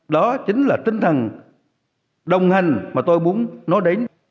đó chính là tinh thần đồng hành mà tôi muốn nói đến